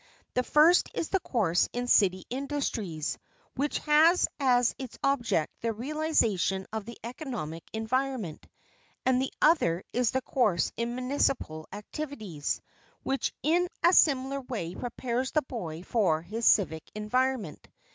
The first is the course in city industries which has as its object the realization of the economic environment; and the other is the course in municipal activities, which in a similar way prepares the boy for his civic environment.